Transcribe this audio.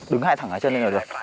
đứng hạ thẳng hai chân lên là được